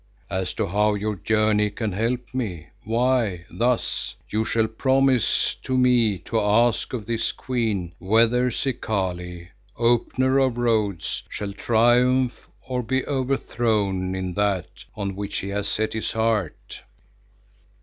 As to how your journey can help me, why, thus. You shall promise to me to ask of this Queen whether Zikali, Opener of Roads, shall triumph or be overthrown in that on which he has set his heart."